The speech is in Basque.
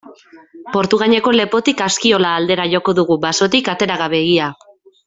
Portugaineko lepotik Askiola aldera joko dugu, basotik atera gabe ia.